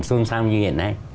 xôn xao như hiện nay